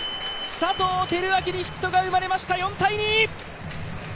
佐藤輝明にヒットが生まれました